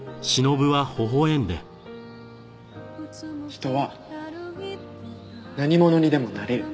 人は何者にでもなれる。